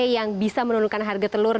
yang bisa menurunkan harga telur